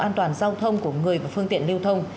an toàn giao thông của người và phương tiện lưu thông